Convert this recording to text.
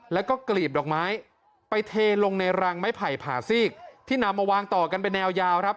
แล้วก็กลีบดอกไม้ไปเทลงในรังไม้ไผ่ผ่าซีกที่นำมาวางต่อกันเป็นแนวยาวครับ